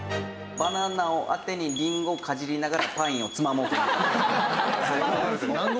バナナをあてにりんごをかじりながらパインをつまもうかな。